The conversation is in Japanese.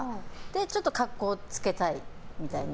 ちょっと格好つけたいみたいな。